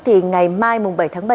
thì ngày mai bảy tháng bảy